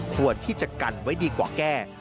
ควรที่จะกันไว้ดีกว่าแก้